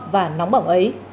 và nóng bỏng ấy